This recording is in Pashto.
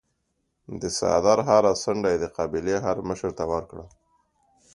د څادر هره څنډه یې د قبیلې هرمشر ته ورکړه.